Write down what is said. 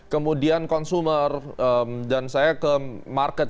kemudian consumer dan saya ke market